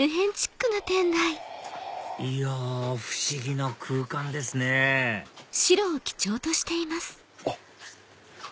いや不思議な空間ですねあっ！